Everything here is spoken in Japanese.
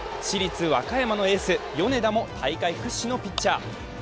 市立和歌山のエース、米田も大会屈指のピッチャー